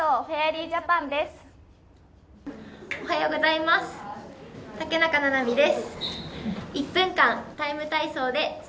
おはようございます。